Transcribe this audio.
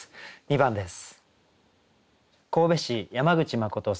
２番です。